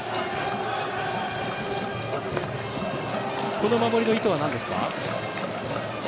この守りの意図はなんですか？